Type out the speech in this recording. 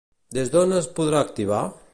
Des d'on es podrà activar?